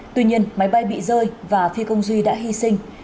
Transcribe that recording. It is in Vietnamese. tuy nhiên máy bay bị rơi và phi công duy đã hy sinh